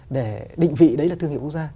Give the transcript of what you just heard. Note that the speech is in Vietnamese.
để định vị đấy là thương hiệu quốc gia